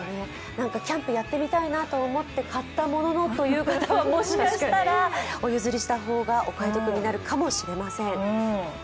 キャンプやってみたいなと思って買ってみたもののという方はもしかしたらお譲りした方がお買い得になるかもしれません。